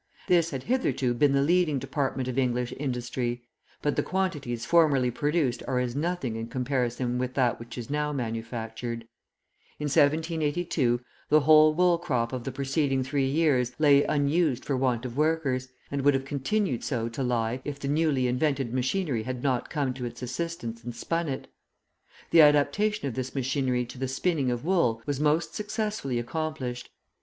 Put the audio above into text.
This had hitherto been the leading department of English industry, but the quantities formerly produced are as nothing in comparison with that which is now manufactured. In 1782 the whole wool crop of the preceding three years lay unused for want of workers, and would have continued so to lie if the newly invented machinery had not come to its assistance and spun it. The adaptation of this machinery to the spinning of wool was most successfully accomplished.